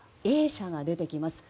Ａ社が出てきます。